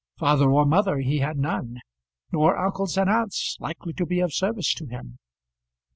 Father or mother he had none, nor uncles and aunts likely to be of service to him.